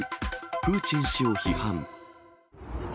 プーチン氏を批判。